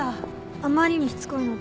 あまりにしつこいので。